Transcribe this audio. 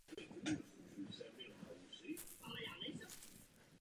Byla to třetí z pěti tříd křižníků souhrnně označovaných jako třída "Town".